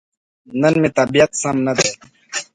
نن مې طبيعت سم ندی.